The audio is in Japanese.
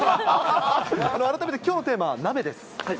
改めてきょうのテーマは鍋です。